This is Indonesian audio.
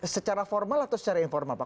secara formal atau secara informal pak